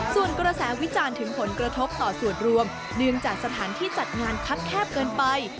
ส่วนกระแสวิจารณ์ถึงผลกระทบต่อส่วนรวมเนื่องจากสถานที่จัดงานคัดแคบเกินไป